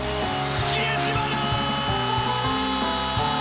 比江島だ−！